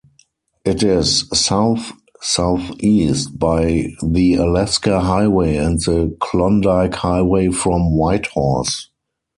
It is south-southeast by the Alaska Highway and the Klondike Highway from Whitehorse.